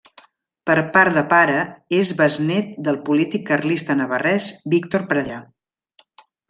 Per part de pare és besnét del polític carlista navarrès Víctor Pradera.